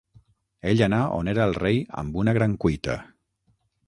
Ell anà on era el rei amb una gran cuita.